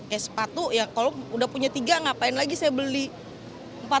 kayak sepatu ya kalau udah punya tiga ngapain lagi saya beli